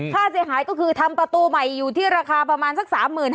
ค่าเสียหายก็คือทำประตูใหม่อยู่ที่ราคาประมาณสัก๓๕๐๐